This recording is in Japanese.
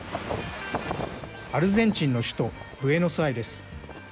アルゼンチンの首都ブエノスアイレス。